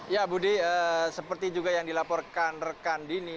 ya budi seperti juga yang dilaporkan rekan dini